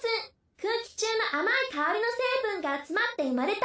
空気中の甘い香りの成分が集まって生まれた。